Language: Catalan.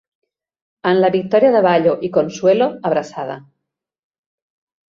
En la victòria de Vallo i Consuelo abraçada.